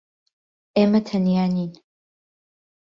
ئێمە تەنیا نین.